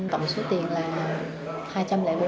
tổng số tiền là hai trăm linh bốn triệu